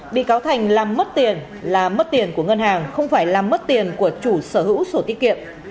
bị cáo thành làm mất tiền là mất tiền của ngân hàng không phải làm mất tiền của chủ sở hữu sổ tiết kiệm